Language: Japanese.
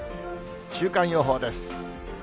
週間予報です。